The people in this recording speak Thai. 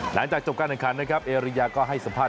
หลังจากจบการแข่งขันนะครับเอริยาก็ให้สัมภาษ